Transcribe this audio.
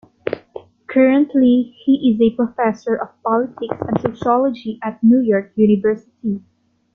Currently he is a professor of politics and sociology at New York University.